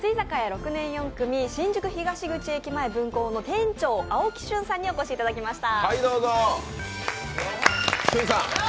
６年４組新宿東口駅前分校の店長・青木俊さんにお越しいただきました。